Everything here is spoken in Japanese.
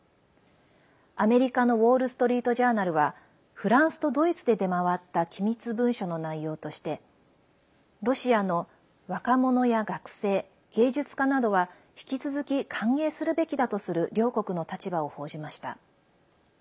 アメリカのウォール・ストリート・ジャーナルはフランスとドイツで出回った機密文書の内容としてロシアの若者や学生芸術家などは引き続き歓迎するべきだとする両国の立場を報じました。